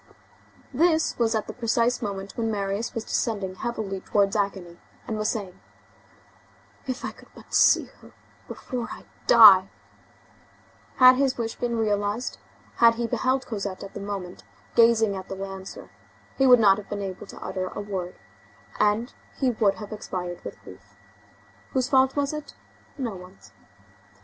This was at the precise moment when Marius was descending heavily towards agony, and was saying: "If I could but see her before I die!"—Had his wish been realized, had he beheld Cosette at that moment gazing at the lancer, he would not have been able to utter a word, and he would have expired with grief. Whose fault was it? No one's.